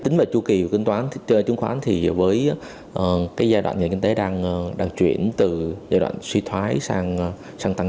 tính về chua kỳ và chứng khoán với giai đoạn nhà kinh tế đang chuyển từ giai đoạn suy thoái sang tăng trưởng